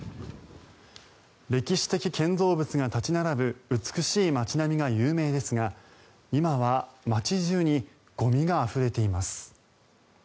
歴史的建造物が立ち並ぶ美しい街並みが有名ですが今は街中にゴミがあふれています。